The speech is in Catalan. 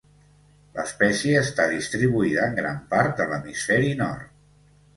L'espècie està distribuïda en gran part de l'hemisferi nord.